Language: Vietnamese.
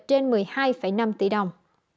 trên một mươi hai năm tỷ đồng